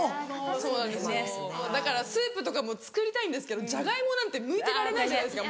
そうなんですよだからスープとかも作りたいんですけどジャガイモなんてむいてられないじゃないですか